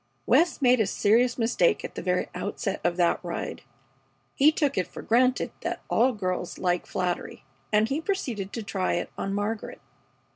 West made a serious mistake at the very outset of that ride. He took it for granted that all girls like flattery, and he proceeded to try it on Margaret.